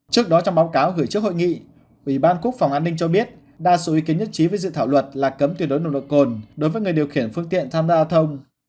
trước đó trong báo cáo gửi trước hội nghị ủy ban quốc phòng an ninh cho biết đa số ý kiến nhất trí với dự thảo luật là cấm tuyệt đối nồng độ cồn đối với người điều khiển phương tiện tham gia giao thông